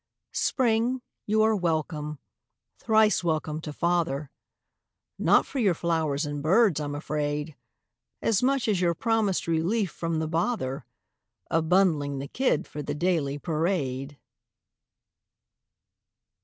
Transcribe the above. Spring, you are welcome, thrice welcome to father; Not for your flowers and birds, I'm afraid, As much as your promised relief from the bother Of bundling the kid for the daily parade.